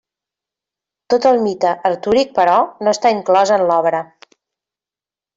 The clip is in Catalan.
Tot el mite artúric però, no està inclòs en l'obra.